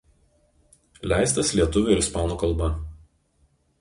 Leistas lietuvių ir ispanų kalba.